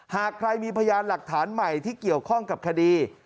หากใครมีพยานหลักฐานใหม่ที่เกี่ยวข้องกับคดี